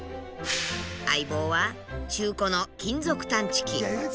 相棒は中古の金属探知機。